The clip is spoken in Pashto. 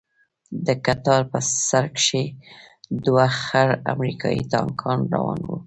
د کتار په سر کښې دوه خړ امريکايي ټانکان روان وو.